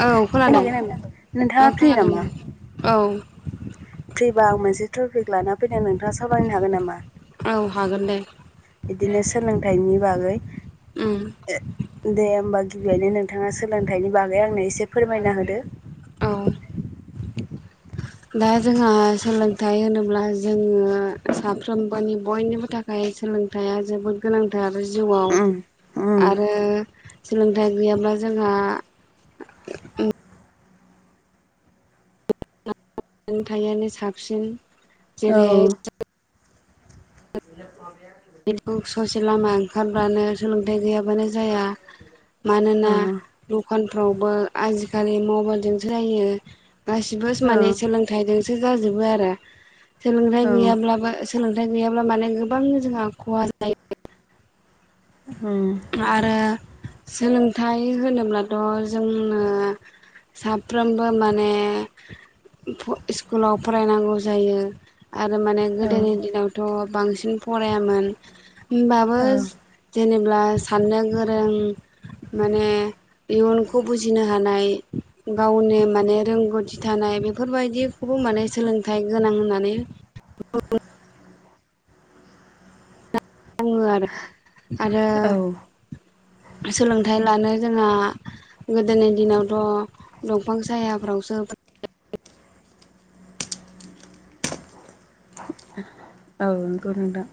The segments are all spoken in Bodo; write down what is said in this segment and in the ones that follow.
औ खोनादों नोंथां नोंथाङा औ फ्रि खोनादों नामा? औ फ्रिबा आं मोनसे थफिक लाना फैदों नोंथाङा सावरायनो हागोन नामा? औ हागोन दे। बिदिनो सोलोंथाइनि बागै ओम दे होमबा गिबियावनो नोंथाङा सोलोंथाइनि बागै आंनो एसे फोरमायना होदो। औ [inaudible] दा जोंहा सोलोंथाइ होनोब्ला जोङो साफ्रोमबोनि बयनिबो थाखाय फाय सोलोंथाइया जोबोद गोनांथार जिउआव उम उम आरो सोलोंथाइ गैयाब्ला जोंहा सोलोंथाइयानो साबसिन औ जेरैहाय [inaudible] ससे लामा ओंखारब्लानो सोलोंथाइ गैयाबानो जाया मानोना औ दखानफ्रावबो आजिखालि मबाइलजोंसो जायो। गासिबो माने सोलोंथाइजोंसो जाजोबो आरो। सोलोंथाइ औ गैयाब्लाबो सोलोंथाइ गैयाब्ला माने गोबां जोंहा ख'हा जायो। उम आरो सोलोंथाइ होनोब्लाथ' जोंनो साफ्रोमबो माने फ इस्कुलाव फरायनांगौ जायो। आरो माने औ गोदोनि दिनावथ' बांसिन फरायामोन होमबाबो जेनेब्ला साननो गोरों माने इयुनखौ बुजिनो हानाय गावनि माने रोंगौथि थानाय बेफोरबायदिखौबो माने सोलोंथाइ गोनां होननानै बुङो आरो औ औ आरो सोलोंथाइ लानो जोंहा गोदोनि दिनावथ' दंफां सायाफ्रावसो औ नंगौ नोंथां।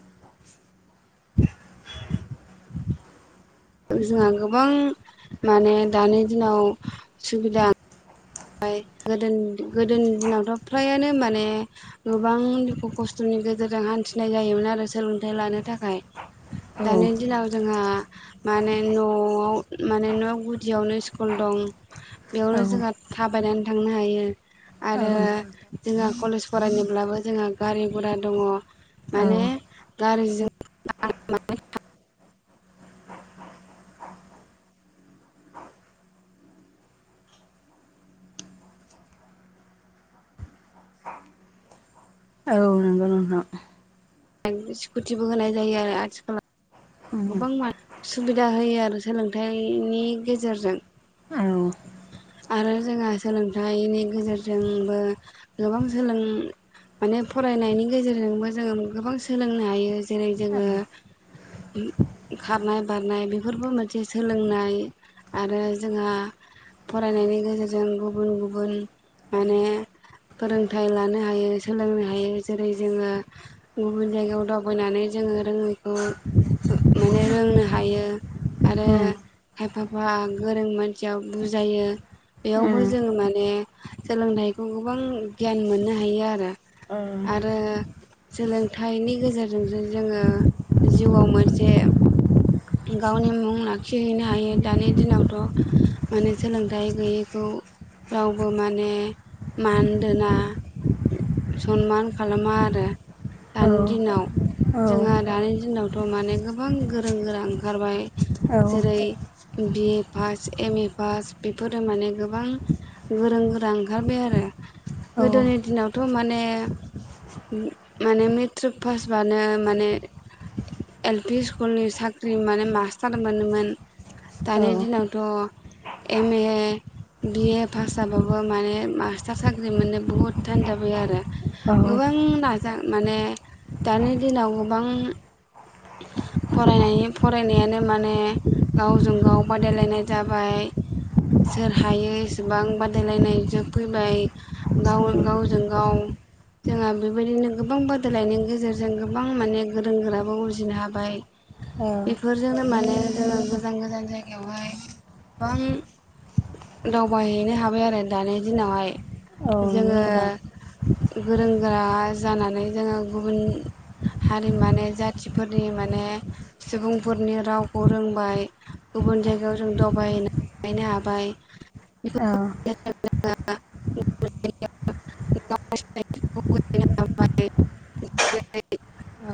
जोंहा गोबां माने दानि दिनाव सुबिदा फाय गोदोनि गोदोनि दिनावथ' फ्रायानो माने गोबां दुखु खस्थ'नि गेजेरजों हान्थिनाय जायोमोन आरो सोलोंथाइ लानो थाखाय। दानि दिनाव जोंहा माने न'आव माने न' गुदियावनो स्कुल दं। औ बेयावनो जोंहा थाबायनानै थांनो हायो औ आरो जोंहा कलेज फरायनोब्लाबो जोंहा गारि गुरा दङ' औ माने गारिजों औ नंगौ नोंथां। स्कुटिबो होनाय जायो आरो आथिखालाव। उम गोबां सुबिदा होयो आरो सोलोंथाइनि गेजेरजों। औ आरो जोंहा सोलोंथाइनि गेजेरजोंबो गोबां सोलों माने फरायनायनि गेजेरजोंबो जोङो गोबां सोलोंनो हायो जेरै जोङो खारनाय बारनाय बेफोरबो मोनसे सोलोंनाय। आरो जोंहा फरायनायनि गेजेरजों गुबुन गुबुन माने फोरोंथाइ लानो हायो सोलोंनो हायो जेरै जोङो गुबुन जायगायाव दावबायनानै जोङो रोङैखौ माने रोंनो हायो। आरो उम खायफाबा गोरों मानसिया बुजायो। बेयावबो उम जोङो माने सोलोंथाइखौ गोबां गियान मोननो हायो आरो। औ आरो सोलोंथाइनि गेजेरजोंसो जोङो जिउआव मोनसे गावनि मुं लाखिहैनो हायो दानि दिनावथ'। माने सोलोंथाइ गैयैखौ रावबो माने मान दोना। सनमान खालामा आरो। दानि दिनाव औ जोंहा दानि दिनावथ माने गोबां गोरों गोरा ओंखारबाय। औ जेरै BA pass M A pass बेफोरो माने गोबां गोरों गोरा ओंखारबाय आरो औ गोदोनि दिनावथ‌ माने माने मेट्रिक पासबानो माने एल पि स्कुलनि साख्रि माने मास्टार मोनोमोन औ दानि दिनाव थ M A B A pass जाबाबो माने मास्टार साख्रि मोननो बुहुद थान जाबाय आरो। औ गोबां नाजा माने दानि दिनाव गोबां फरायनाय फरायनायानो माने गावजों गाव बादायलायनाय जाबाय। सोर हायो एसेबां बादायलायनाय जुग फैबाय। गाव गावजों गाव जोंहा बेबायदिनो गोबां बादोलायनायनि गेजेरजों गोबां माने गोरों गोराबो बिदिनो हाबाय। औ बेफोरजोंनो माने जोङो गोजान गोजान जायगायावहाय गोबां दावबायहैनो हाबाय आरो दानि दिनावहाय औ नंगौ जोङो नोंथां गोरों गोरा जानानै जोङो गुबुन हारिनि माने जाथि फोरनि माने सुबुंफोरनि रावखौ रोंबाय। गुबुन जायगायाव जों दवबायहैनो हाबाय। औ [unintelligible] [unintelligible] औ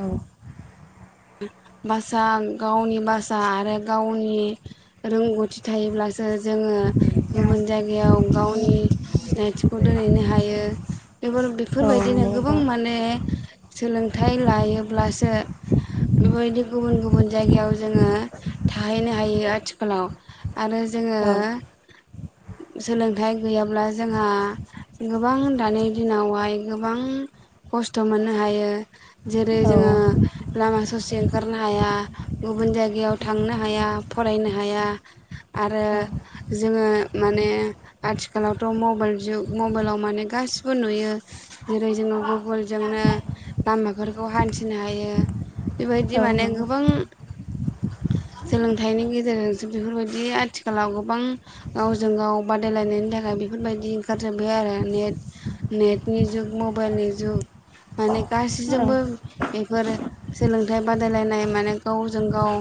भासा गावनि भासा आरो गावनि रोंगौथि थायोब्लासो जोङो गुबुन जायगायाव गावनि सिनायथिखौ दोनहैनो हायो। बेफोर नंगौ बेफोरबायदिनो गोबां नोंथां माने सोलोंथाइ लायोब्लासो बेफोरबायदि गुबुन गुबुन जायगायाव जोङो थाहैनो हायो आथिखालाव। आरो जोङो औ सोलोंथाइ गैयाब्ला जोंहा गोबां दानि दिनावहाय गोबां खस्थ मोननो हायो जेरै औ जोङो लामा ससे ओंखारनो हाया गुबुन जायगायाव थांनो हाया फरायनो हाया। आरो जोङो माने आथिखालावथ' मबाइल जुग मबाइलाव माने गासिबो नुयो जेरै जोङो गुगोलजोंनो लामाफोरखौ हान्थिनो हायो। बेबादि माने नंगौ औ गोबां [inaudible] सोलोंथाइनि गेजेरजोंसो बेफोरबादि आथिखालाव गोबां गावजों गाव बादायलायनायनि थाखाय बेफोरबायदि ओंखारजोबबाय आरो नेट नेटनि जुग मबाइलनि जुग माने नंगौ औ गासैजोंबो बिफोरो सोलोंथाइ बादायलायनाय माने गावजों गावो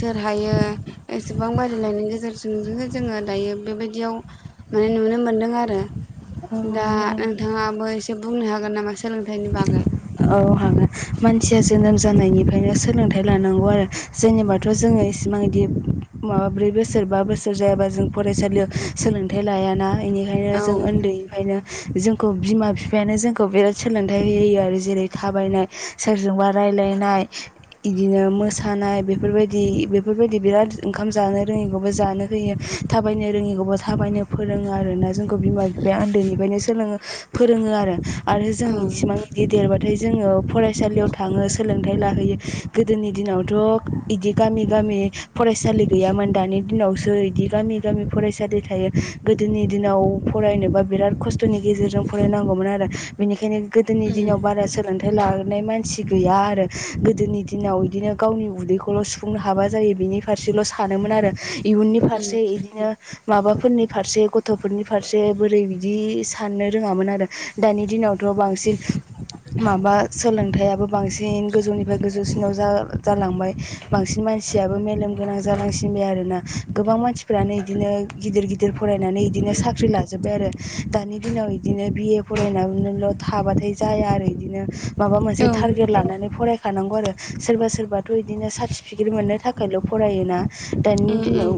सोर हायो एसेबां बादायलायनायनि गेजेरजोंसो जोङो दायो बेबादियाव माने नुनो मोनदों आरो दा नोंथाङाबो एसे बुंनो हागोन नामा सोलोंथाइनि बागै औ हागोन मानसिया जोनोम जानायनिफ्रायनो सोलोंथाइ लानांगौ आरो। जोंनिबाथ' जोङो इसिबां बिदि माबा ब्रै बोसोर बा बोसोर जायाबा जों फरायसालियाव सोलोंथाइ लायाना बेनिखायनो औ जों उन्दैनिफ्रायनो जोंखौ बिमा बिफायानो जोंखौ बिराद सोलोंथाइ होयो आरो। जेरै थाबायनाय सोरजोंबा रायज्लायनाय बिदिनो मोसानाय बेफोरबायदि बेफोरबायदि बिराद ओंखाम जानो रोङैखौबो जानो होयो। थाबायनो रोङिखौबो थाबायनो फोरोङो आरोना। जोंखौ बिमा बिफाया उन्दैनिफ्रायनो सोलोङो फोरोङो आरो आरो जों औ इसिबां इदि देरबाथाय जोङो फरायसालियाव थाङो सोलोंथाइ लाहैयो गोदोनि दिनावथ' इदि गामि गामि फरायसालि गैयामोन दानि दिनावसो बिदि गामि गामि फरायसालि थायो गोदोनि दिनाव फरायनोबा बिराद खस्थनि गेजेरजों फरायनांगौमोन आरो बेनिखायनो गोदोनि उम दिनाव बारा सोलोंथाइ लबोनाय मानसि गैया आरो गोदोनि दिनाव इदिनो गावनि उदैखौल' सुफुंनो हाबा जायो बिनि फारसेल' सानोमोन आरो इयुननि उम फारसे इदिनो माबाफोरनि फारसे गथ'फोरनि फारसे बोरै बिदि साननो रोङामोन आरो। दानि दिनावथ बांसिन माबा सोलोंथाइयाबो बांसिन गोजौनिफ्राय गोजौसिनाव जा जालांबाय बांसिन मानसियाबो मेलेम गोनां जालांसिनबाय आरोोना गोबां मानसि फ्रानो इदिनो गिदिर गिदिर फरायनानै इदिनो साख्रि लाजोबबाय आरो। दानि दिनाव इदिनो बिए फरायनानैल थाबाथाय जाया आरो इदिनो। माबा औ मोनसे टारगेट लानानै फराय थानांगौ आरो सोरबा सोरबाथ बिदिनो सार्टिफिकेट मोननो थाखायल फरायो ना दानि उम दिनाव उम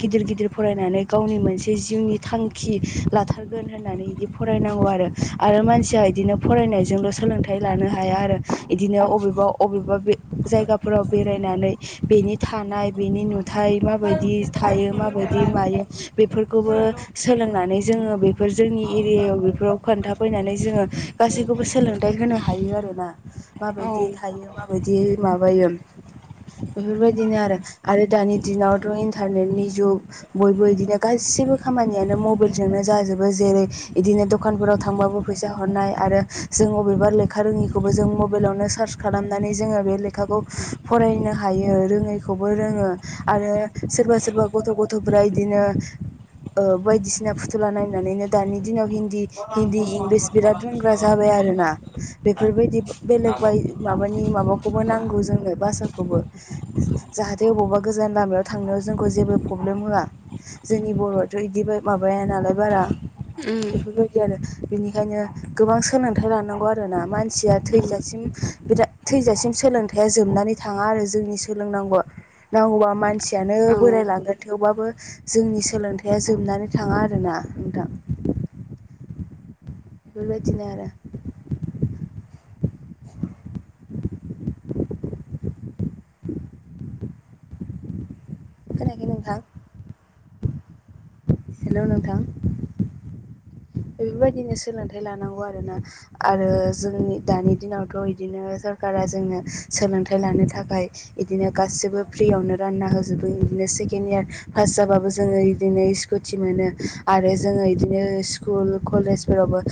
गिदिर गिदिर फरायनानै गावनि मोनसे जिउनि थांखि लाथारगोन होननानै फरायनांगौ आरो आरो मानसिया बिदिनो फरायनायजोंल सोलोंथाइ लानो हाया आरोना बिदिनो अबेबा अबेबा बे जायगाफोराव बेरायनानै बेनि थानाय बेनि नुथाय माबायदि थायो माबादि मायो। बेफोरखौबो सोलोंनानै जोङो बेफोर जोंनि एरियायाव बेफोराव खोन्थाफैनानै जोङो गासैखौबो सोलोंथाइ होनो हायो आरोना औ माबादि थायो माबादि माबायो बेफोरबादिनो आरो आरो दानि दिनावथ इन्टारनेटनि जुग बयबो बिदिनो गासिबो खामानियानो मबाइलजोंनो जाजोबो जेरै बिदिनो दखानफोराव थांबाबो फैसा हरनाय आरो जों अबेबा लेखा रोङिखौबो जों मबाइलावनो सार्च खालामनानै जोङो बे लेखाखौओ फरायनो हायो रोङैखौबो रोङो आरो सोरबा सोरबा गथ' गथाय गथ'फ्रा इदिनो बायदिसिना फुथुला नायनानैनो दानि दिनाव हिन्दी हिन्दी इंलिस बिराद रोंग्रा जाबाय आरोना बेफोरबायदि बेलेग बादि माबानि माबाखौबो नांगौ जोंनो भासाखौबो। जाहाथे बबावबा गोजान लामायाव थांनायाव जोंखौ जेबो प्रब्लेम होया। जोंनि बर'आथ इदि माबाया नालाय बारा उम बेफोरबायदि आरो बिनिखायनो गोबां सोलोंथाइ लानांगौ आरोना मानसिया उम थैजासिम बिराद थैजासिम सोलोंथाइ या जोबनानै थाङा आरो जोंनि सोलोंनांगौआ नांगौबा मानसियानो औ बोरायलांगोन थेवबाबो जोंनि सोलोंथाइया जोबनानै थाङा आरोना नोंथां बेबादिनो आरो खोनाखै नोंथां हेलौ नोंथां बेफोरबायदिनो सोलोंथाइ लानांगौ आरोना आरो जोंनि दानि दिनावथ बिदिनो सरकारा जोंङो सोलोंथाइ लानो थाखाय इदिनो गासिबो फ्रियावनो रानना होजोबो बिदिनो सेकेणड इयार पास जाबाबो जोङो बिदिनो स्कुटि मोनो आरो जोङो बिदिनो स्कुल कलेजफोरावबो